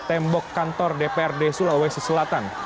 tembok kantor dpr di sulawesi selatan